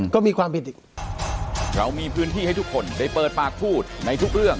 ก็มีความผิดอีก